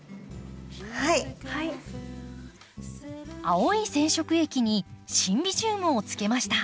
青い染色液にシンビジウムをつけました。